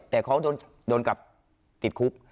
แต่เขาโดนกลับติดคุก